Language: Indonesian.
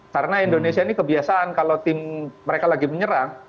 karena indonesia ini kebiasaan kalau tim mereka lagi menyerang